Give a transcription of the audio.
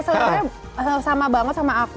sebenarnya sama banget sama aku